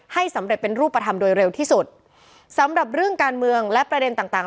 ให้สำเร็จเป็นรูปธรรมโดยเร็วที่สุดสำหรับเรื่องการเมืองและประเด็นต่างต่าง